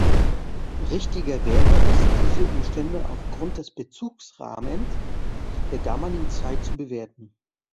Richtiger wäre es, diese Umstände aufgrund des Bezugsrahmens der damaligen Zeit zu bewerten.